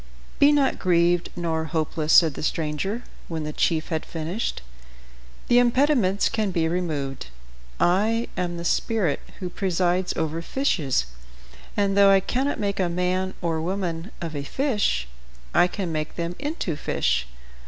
"Be not grieved nor hopeless," said the stranger, when the chief had finished. "The impediments can be removed. I am the spirit who presides over fishes, and though I cannot make a man or woman of a fish, I can make them into fish.